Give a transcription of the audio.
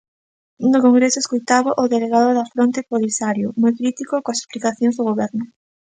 No Congreso escoitaba o delegado da Fronte Polisario, moi crítico coas explicacións do Goberno.